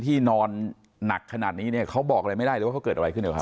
ที่นอนหนักขนาดนี้เขาบอกอะไรไม่ได้หรือว่าเขาเกิดอะไรขึ้นหรือครับ